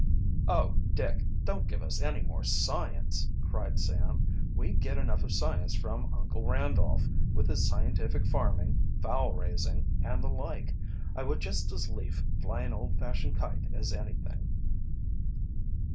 "Oh, Dick, don't give us any more science!" cried Sam. "We get enough of science from, Uncle Randolph, with his scientific farming, fowl raising, and the like. I would just as lief fly an old fashioned kite as anything."